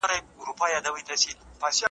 ګناه ستا ده او همدغه دي سزا ده